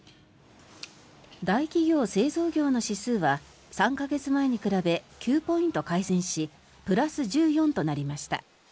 大企業・製造業の指数は３か月前に比べ９ポイント改善しプラス１４となりました。